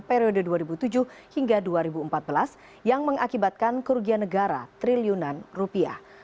periode dua ribu tujuh hingga dua ribu empat belas yang mengakibatkan kerugian negara triliunan rupiah